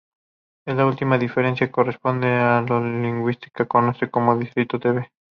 Esta última diferencia corresponde a lo que los lingüistas conocen como "distinción T-V".